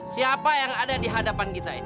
siapa yang ada di hadapan kita ini